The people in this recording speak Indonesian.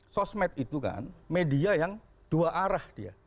sosmed itu kan media yang dua arah dia